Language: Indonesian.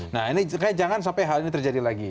nah ini jangan sampai hal ini terjadi lagi